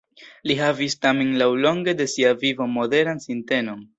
Li havis tamen laŭlonge de sia vivo moderan sintenon.